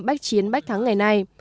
bách chiến bách thắng ngày nay